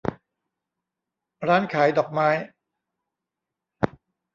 ร้านขายดอกไม้